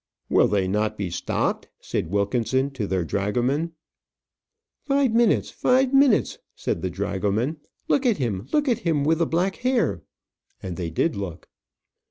"Will they not be stopped?" said Wilkinson to their dragoman. "Five minutes, five minutes!" said the dragoman. "Look at him look at him with the black hair!" And they did look.